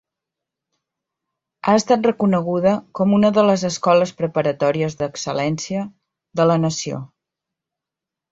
Ha estat reconeguda com una de les escoles preparatòries d'ecel·lència de la nació.